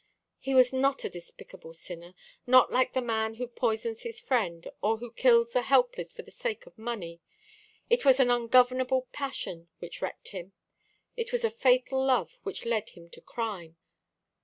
He was not a despicable sinner not like the man who poisons his friend, or who kills the helpless for the sake of money. It was an ungovernable passion which wrecked him it was a fatal love which led him to crime.